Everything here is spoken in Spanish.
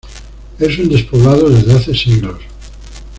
Es un despoblado desde hace siglos.